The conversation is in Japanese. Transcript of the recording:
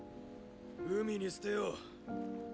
・海に捨てよう。